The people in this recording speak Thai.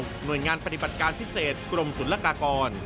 หน่วยงานปฏิบัติการพิเศษกรมศุลกากร